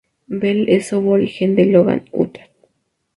Bell es aborigen de Logan, Utah.